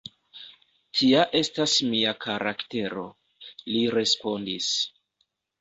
Tia estas mia karaktero, li respondis.